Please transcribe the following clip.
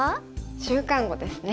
「週刊碁」ですね。